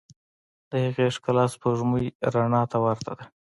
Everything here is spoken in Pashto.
د هغې ښکلا د سپوږمۍ رڼا ته ورته ده.